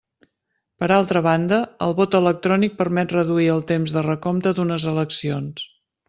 Per altra banda, el vot electrònic permet reduir el temps de recompte d'unes eleccions.